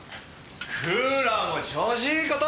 クーラーも調子いいこと！